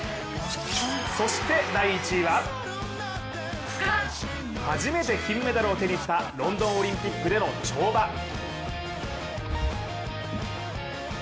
そして第１位は初めて金メダルを手にしたロンドンオリンピックでの跳馬。